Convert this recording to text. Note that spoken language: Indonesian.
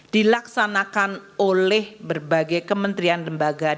dilaksanakan oleh berbagai kementerian lembaga